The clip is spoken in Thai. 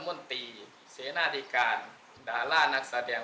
พระพุทธพิบูรณ์ท่านาภิรม